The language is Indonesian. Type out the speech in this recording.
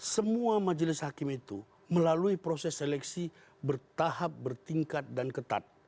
semua majelis hakim itu melalui proses seleksi bertahap bertingkat dan ketat